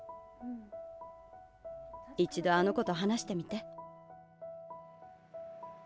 一どあの子と話してみて。